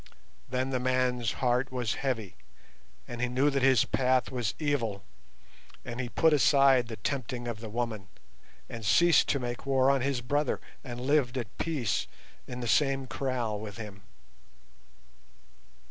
"Then the man's heart was heavy, and he knew that his path was evil, and he put aside the tempting of the woman and ceased to make war on his brother, and lived at peace in the same kraal with him.